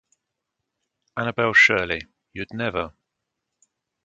Annabel Shirley, you’d never!